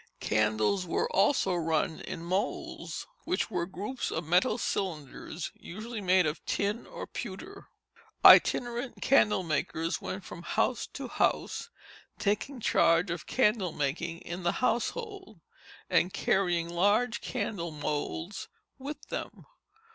Candles were also run in moulds which were groups of metal cylinders, usually made of tin or pewter. Itinerant candle makers went from house to house, taking charge of candle making in the household, and carrying large candle moulds with them.